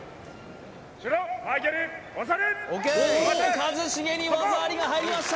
一茂に技ありが入りました！